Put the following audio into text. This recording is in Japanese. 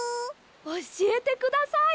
おしえてください。